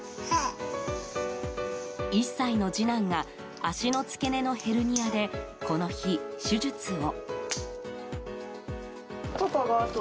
１歳の次男が足の付け根のヘルニアでこの日、手術を。